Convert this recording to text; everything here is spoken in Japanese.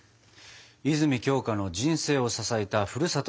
泉鏡花の人生を支えたふるさとの味